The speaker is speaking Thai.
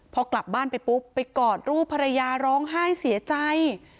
พอกลับบ้านไปปุ๊บไปกอดรูปภรรยาร้องไห้เสียใจ